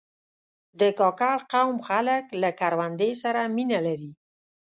د کاکړ قوم خلک له کروندې سره مینه لري.